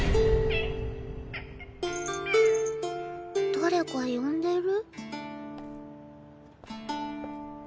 だれか呼んでる？